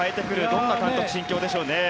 どんな監督、心境でしょうね。